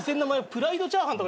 プライドチャーハンとか。